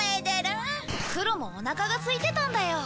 クロもおなかがすいてたんだよ。